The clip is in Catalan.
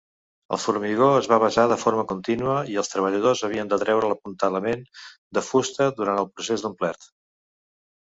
El formigó es va vessar de forma continua i els treballadors havien de treure l"apuntalament de fusta durant el procés d"omplert.